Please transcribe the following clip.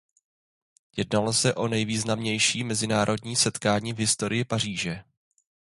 Jednalo se o nejvýznamnější mezinárodní setkání v historii Paříže.